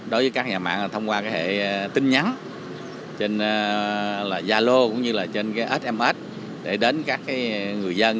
đối với các nhà mạng thông qua hệ tin nhắn trên gia lô cũng như trên sms để đến các người dân